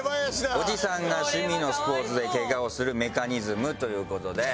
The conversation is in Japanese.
「おじさんが趣味のスポーツでケガをするメカニズム」という事で。